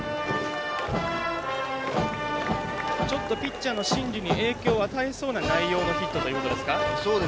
ちょっとピッチャーの心理に影響、与えそうな内容のヒットということですか？